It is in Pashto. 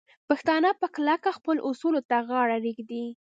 پښتانه په کلکه خپلو اصولو ته غاړه ږدي.